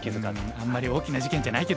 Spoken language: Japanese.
あんまり大きな事件じゃないけど。